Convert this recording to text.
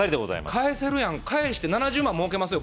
返せるやん返して７０万もうけますよ